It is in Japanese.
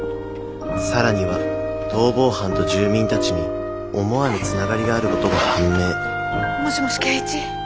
更には逃亡犯と住民たちに思わぬつながりがあることが判明もしもし恵一？